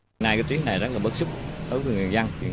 hôm nay cái tuyến này rất là bức xúc đối với người dân